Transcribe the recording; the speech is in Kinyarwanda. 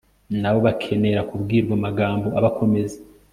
na bo bakenera kubwirwa amagambo abakomeza